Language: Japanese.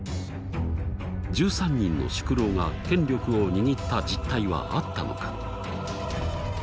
「１３人の宿老」が権力を握った実態はあったのか？